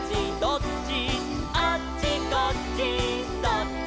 「あっちこっちそっち」